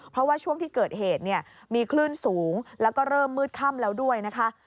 เพราะว่าช่วงที่เกิดเหตุเนี่ยมีคลื่นสูงแล้วก็เริ่มมืดค่ำแล้วด้วยนะคะ